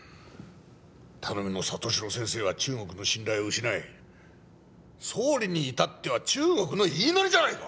頼みの里城先生は中国の信頼を失い総理にいたっては中国の言いなりじゃないか！